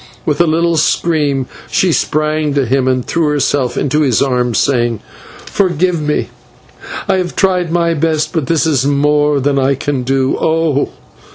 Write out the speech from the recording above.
With a little scream, she sprang to him and threw herself into his arms, saying: "Forgive me; I have tried my best, but this is more than I can do. Oh!